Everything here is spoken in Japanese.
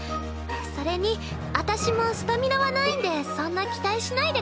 それに私もスタミナはないんでそんな期待しないで下さい。